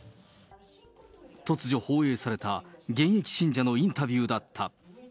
突如放映された現役信者のインタビューだった。